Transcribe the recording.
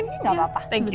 gak apa apa sebentar ya